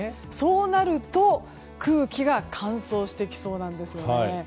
そうなると空気が乾燥してきそうなんです。